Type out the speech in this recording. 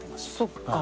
そっか。